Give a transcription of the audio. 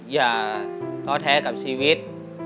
อย่าท้อแท้กับชีวิต